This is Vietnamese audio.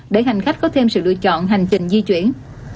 để hành khách có thêm sự lựa chọn hành trình di chuyển